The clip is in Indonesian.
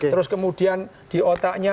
terus kemudian di otaknya